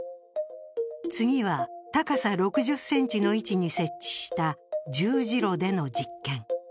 次は、高さ６０ｃｍの位置に設置した十字路での実験。